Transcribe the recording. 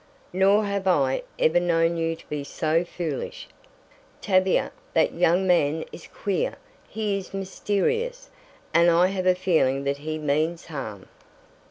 "Nor have I ever known you to be so foolish. Tavia, that young man is queer. He is mysterious, and I have a feeling that he means harm."